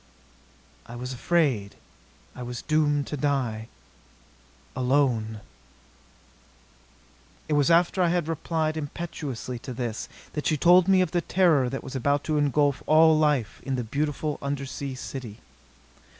"I was afraid ... I was doomed to die ... alone...." It was after I had replied impetuously to this, that she told me of the terror that was about to engulf all life in the beautiful undersea city.